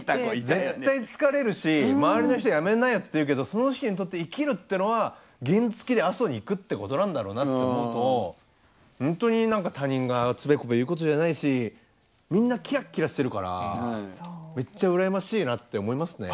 絶対疲れるし周りの人「やめなよ」って言うけどその人にとって生きるっていうのは原付で阿蘇に行くってことなんだろうなって思うとほんとに他人がつべこべ言うことじゃないしみんなキラキラしてるからめっちゃ羨ましいなって思いますね。